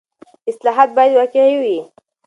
اصلاحات باید واقعي وي.